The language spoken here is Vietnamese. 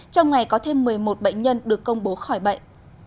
trong ngày có thêm một mươi một bệnh nhân được công bố khỏi bệnh